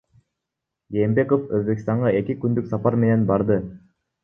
Жээнбеков Өзбекстанга эки күндүк сапар менен барды.